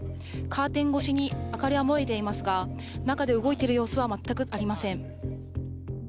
カーテン越しに明かりは漏れていますが、中で動いている様子は全くありません。